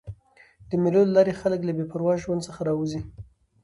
د مېلو له لاري خلک له بې پروا ژوند څخه راوځي.